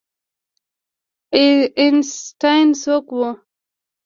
آینسټاین څوک و؟